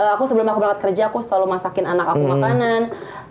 aku sebelum aku berangkat kerja aku selalu masakin anak aku makanan